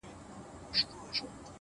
د سترگو تور مي د ايستو لائق دي”